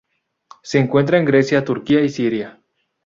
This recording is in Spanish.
Se encuentra en Grecia, Turquía y Siria.